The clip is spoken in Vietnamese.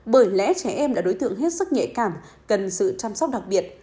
bởi lẽ trẻ em đã đối tượng hết sức nhẹ cảm cần sự chăm sóc đặc biệt